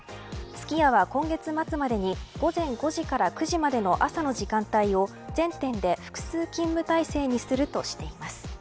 すき家は今月末までに午前５時から９時までの朝の時間帯を全店で複数勤務体制にするとしています。